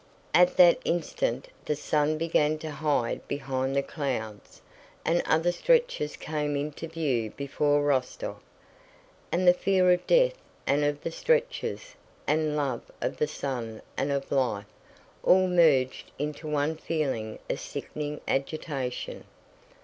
At that instant the sun began to hide behind the clouds, and other stretchers came into view before Rostóv. And the fear of death and of the stretchers, and love of the sun and of life, all merged into one feeling of sickening agitation.